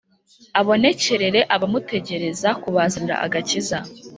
abonekerere abamutegereza kubazanira agakiza.